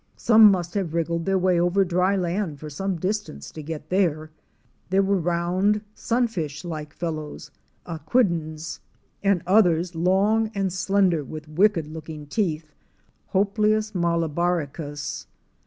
Some must have wriggled their way over dry land for some distance to get there. There were round, sunfish like fellows (Aequidens) and others, long and slender, with wicked looking teeth (Hoplias malabaricus).